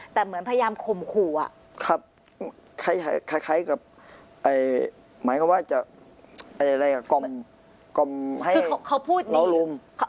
แต่เหมือนพยายามข่มขู่อะครับคล้ายกับหมายความว่าจะอะไรกล่อลม